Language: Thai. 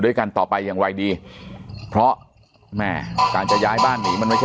ด้วยกันต่อไปอย่างไรดีเพราะแม่การจะย้ายบ้านหนีมันไม่ใช่